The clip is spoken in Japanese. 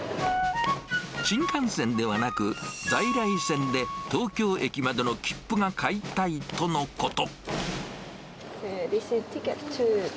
新幹線ではなく、在来線で東京駅までの切符が買いたいとのこと。